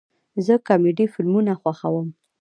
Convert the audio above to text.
زه کامیډي فلمونه خوښوم